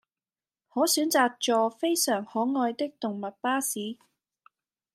可選擇坐非常可愛的動物巴士